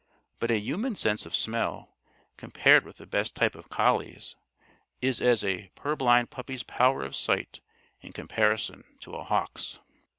But a human's sense of smell, compared with the best type of collie's, is as a purblind puppy's power of sight in comparison to a hawk's.